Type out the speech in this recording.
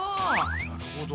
なるほど。